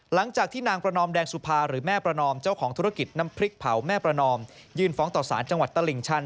หลังจากที่นางประนอมแดงสุภาหรือแม่ประนอมเจ้าของธุรกิจน้ำพริกเผาแม่ประนอมยื่นฟ้องต่อสารจังหวัดตลิ่งชัน